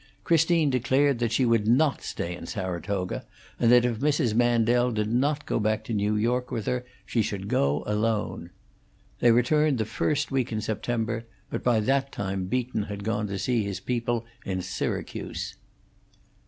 Christine declared that she would not stay in Saratoga, and that if Mrs. Mandel did not go back to New York with her she should go alone. They returned the first week in September; but by that time Beaton had gone to see his people in Syracuse.